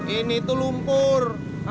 ini tuh lumpur